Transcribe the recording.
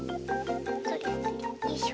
よいしょ。